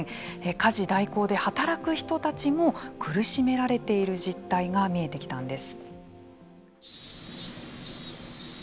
家事代行で働く人たちも苦しめられている実態が見えてきたんです。